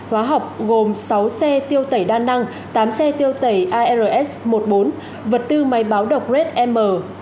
hóa học gồm sáu xe tiêu tẩy đa năng tám xe tiêu tẩy ars một mươi bốn vật tư máy báo độc red m một trăm linh